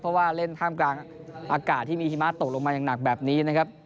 เพราะว่าเล่นท่ามกลางอากาศที่มีหิมะตกลงมาอย่างหนักแบบนี้นะครับ